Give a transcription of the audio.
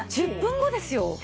１０分後ですよ？